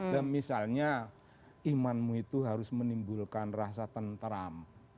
dan misalnya imanmu itu harus menimbulkan rasa tentram